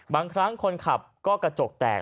บางครั้งคนขับก็กระจกแตก